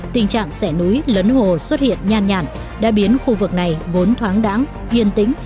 tình trạng xẻ núi lấn hồ xuất hiện nhan nhạn đã biến khu vực này vốn thoáng đáng yên tĩnh